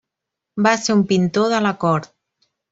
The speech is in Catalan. Va ser un pintor de la cort.